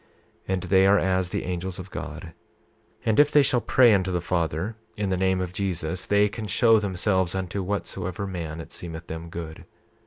28:30 And they are as the angels of God, and if they shall pray unto the Father in the name of Jesus they can show themselves unto whatsoever man it seemeth them good.